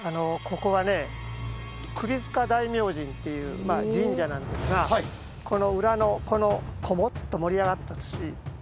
ここはね首塚大明神っていう神社なんですがこの裏のこのこもっと盛り上がった土。